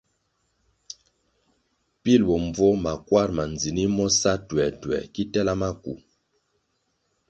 Pil mbvuo makwar ma ndzinih mo sa tuertuer ki tela maku.